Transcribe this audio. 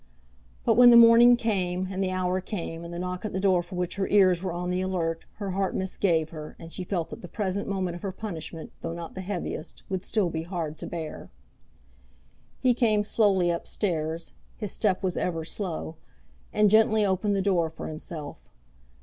But when the morning came, and the hour came, and the knock at the door for which her ears were on the alert, her heart misgave her, and she felt that the present moment of her punishment, though not the heaviest, would still be hard to bear. He came slowly up stairs, his step was ever slow, and gently opened the door for himself.